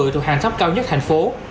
từ hàng thấp cao nhất thành phố